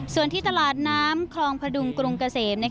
ส่วนที่ตลาดน้ำคลองพดุงกรุงเกษม